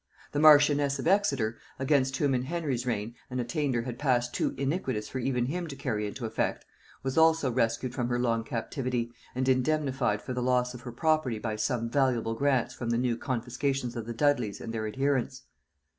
The marchioness of Exeter, against whom, in Henry's reign, an attainder had passed too iniquitous for even him to carry into effect, was also rescued from her long captivity, and indemnified for the loss of her property by some valuable grants from the new confiscations of the Dudleys and their adherents.